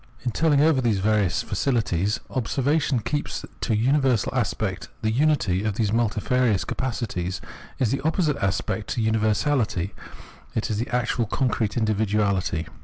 In telling over these various faculties observation keeps to the universal aspect : the unity of these multifarious capacities is the opposite aspect to this universahty, is the actual concrete individuahty.